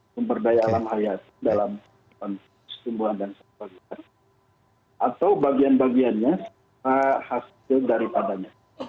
sumber daya alam hayat dalam tumbuhan dan satwa liar atau bagian bagiannya serta hasil daripadanya